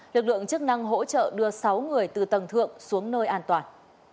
lực lượng chức năng hỗ trợ đưa sáu người từ tầng thượng xuống nơi an toàn